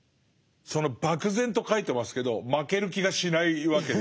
その漠然と書いてますけど負ける気がしないわけですよね。